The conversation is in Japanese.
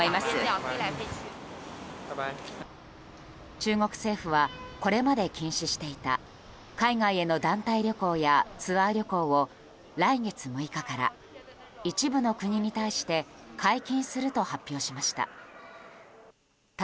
中国政府はこれまで禁止していた海外への団体旅行やツアー旅行を来月６日から、一部の国に対して解禁すると発表しました。